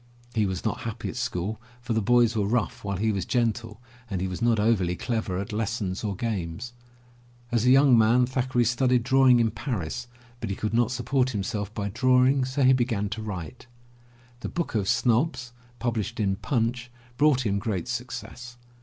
He was not happy at school, for the boys were rough while he was gentle, and he was not overly clever at lessons or games. As a young man, Thackeray studied drawing in Paris, but he could not support himself by drawing, so he began to write. The Book oj Snobs, published in Punchy brought him great success.